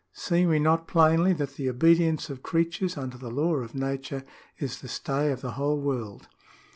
... See we not plainly that the obedience of creatures unto the law of nature is the stay of the whole world."